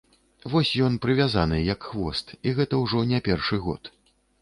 Вось ён прывязаны, як хвост, і гэта ўжо не першы год.